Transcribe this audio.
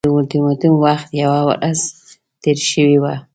د اولټیماټوم وخت یوه ورځ تېر شوی وو.